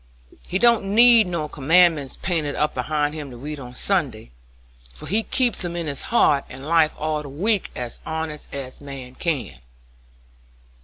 He don't need no commandments painted up behind him to read on Sunday, for he keeps 'em in his heart and life all the week as honest as man can."